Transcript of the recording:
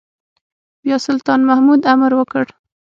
بيا سلطان محمود امر وکړ.